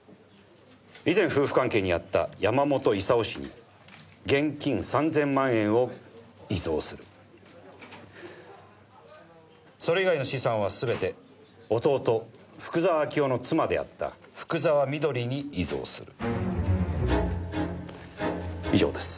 「以前夫婦関係にあった山本功氏に現金３０００万円を遺贈する」「それ以外の資産は全て弟福沢明夫の妻であった福沢美登里に遺贈する」以上です。